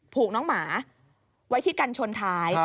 ผูกน้องหมาไว้ที่กันชนท้าย